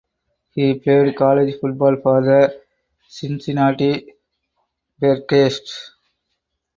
He played college football for the Cincinnati Bearcats.